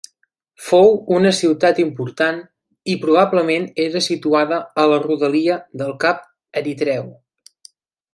Fou una ciutat important i probablement era situada a la rodalia del cap Eritreu.